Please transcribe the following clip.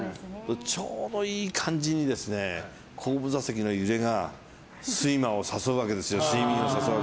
ちょうどいい感じに後部座席の揺れが睡魔を誘うわけですよ、睡眠を。